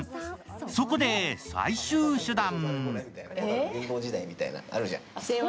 そこで最終手段。